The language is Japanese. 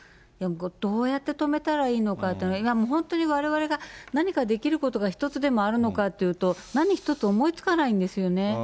どうやって止めたらいいのかって、今も、本当にわれわれが何かできることが一つでもあるのかっていうと、何一つ思いつかないんですよね。